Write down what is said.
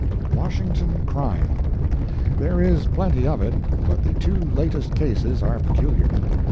Washington Crime. There is plenty of it, but the two latest cases are peculiar.